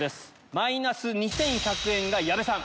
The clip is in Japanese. マイナス２１００円が矢部さん。